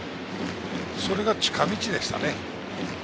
それが近道でしたね。